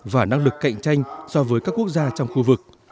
và năng lực cạnh tranh so với các quốc gia trong khu vực